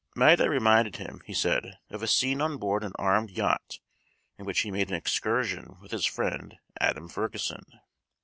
'" Maida reminded him, he said, of a scene on board an armed yacht in which he made an excursion with his friend Adam Ferguson.